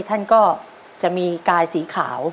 ท่านก็จะมีกายสีขาว